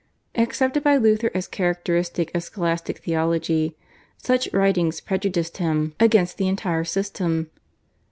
Accepted by Luther as characteristic of Scholastic Theology, such writings prejudiced him against the entire system.